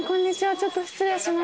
ちょっと失礼します。